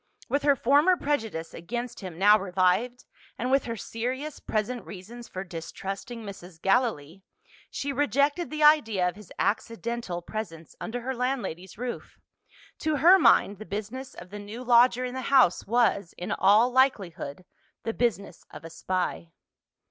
With her former prejudice against him now revived, and with her serious present reasons for distrusting Mrs. Gallilee, she rejected the idea of his accidental presence under her landlady's roof. To her mind, the business of the new lodger in the house was, in all likelihood, the business of a spy.